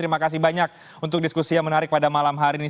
terima kasih banyak untuk diskusi yang menarik pada malam hari ini